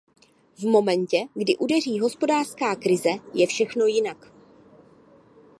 V momentě, kdy udeří hospodářská krize, je všechno jinak.